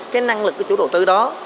cái năng lực của chủ đầu tư đó